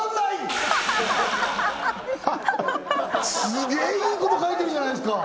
すげえいいこと書いてるじゃないですか！